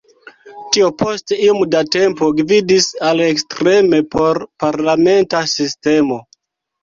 Tio post iom da tempo gvidis al ekstreme por-parlamenta sistemo.